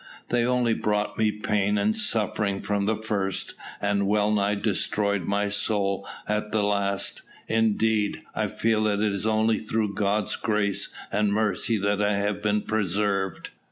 They only brought me pain and suffering from the first, and wellnigh destroyed my soul at the last; indeed, I feel that it is only through God's grace and mercy that I have been preserved."